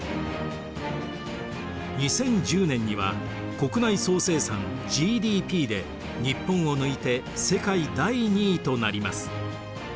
２０１０年には国内総生産ＧＤＰで日本を抜いて世界第２位となります。